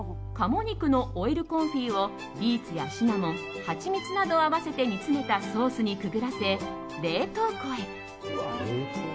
鴨肉のオイルコンフィをビーツやシナモンハチミツなどを合わせて煮詰めたソースにくぐらせ冷凍庫へ。